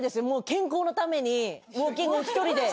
健康のためにウオーキング１人で。